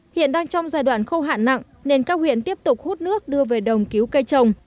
hiện đang trong giai đoạn khâu hạn nặng nên các huyện tiếp tục hút nước đưa về đồng cứu cây trồng